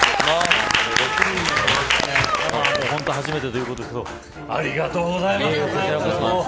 初めてということですがありがとうございます。